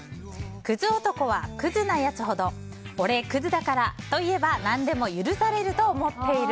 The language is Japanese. クズ男はクズなやつほど俺、クズだからと言えば何でも許されると思っている。